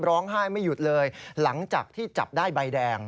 ร้องไห้ไม่หยุดเลยหลังจากที่จับได้ใบแดง